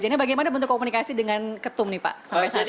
jadi bagaimana bentuk komunikasi dengan ketum nih pak sampai saat ini